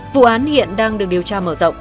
vụ án hiện đang được điều tra mở rộng